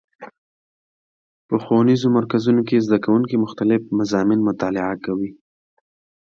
په ښوونیزو مرکزونو کې زدهکوونکي مختلف مضامین مطالعه کوي.